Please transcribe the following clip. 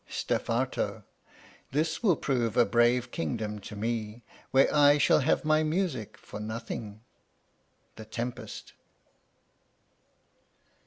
Stephano. This will prove a brave kingdom to me, Where I shall have my music for nothing. _The Tempest.